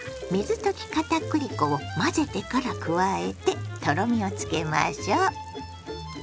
水溶きかたくり粉を混ぜてから加えてとろみをつけましょ。